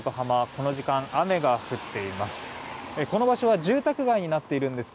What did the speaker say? この時間、雨が降っています。